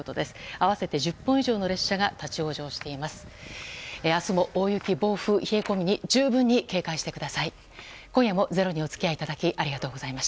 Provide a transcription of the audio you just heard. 合わせて１０本以上の列車が立ち往生しています。